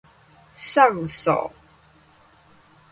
酸素